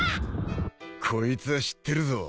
［こいつは知ってるぞ］